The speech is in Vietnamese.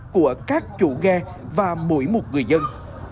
của các chủ ghe và mỗi một người dân